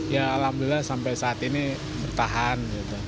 ya alhamdulillah sampai saat ini bertahan